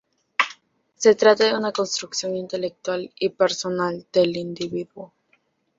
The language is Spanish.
Se trata de una construcción intelectual y personal del individuo.